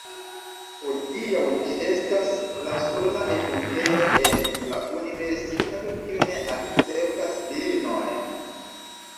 Hodiaŭ ĝi estas la sola edukejo en la universitato kiu ne akceptas virinojn.